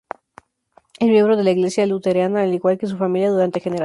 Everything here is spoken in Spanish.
Es miembro de la iglesia luterana, al igual que su familia durante generaciones.